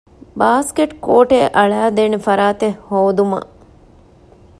ބާސްކެޓް ކޯޓެއް އަޅައިދޭނެ ފަރާތެއް ހޯދުމަށް